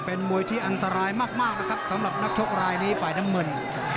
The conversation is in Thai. เป็นมวยที่อันตรายมากนะครับสำหรับนักชกรายนี้ฝ่ายน้ำเงิน